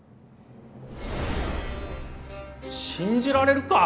信じられるか！